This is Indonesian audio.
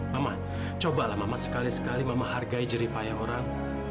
mama cobalah mama sekali sekali mama hargai jeripaya orang ya